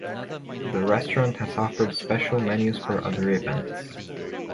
The restaurant has offered special menus for other events.